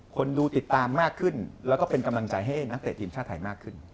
คนดูติดตามมากขึ้นแล้วก็เป็นกำลังใจให้นักเตะทีมชาติไทยมากขึ้น